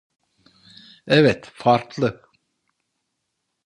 Evet, farklı.